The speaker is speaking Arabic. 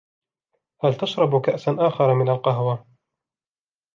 هل تشرب كأسًا آخر من القهوة.